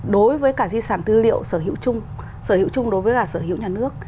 đối với cả di sản tư liệu sở hữu chung sở hữu chung đối với cả sở hữu nhà nước